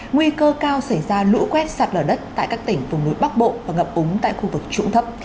nguy cơ cao xảy ra lũ quét sạt lở đất tại các tỉnh vùng núi bắc bộ và ngập úng tại khu vực trũng thấp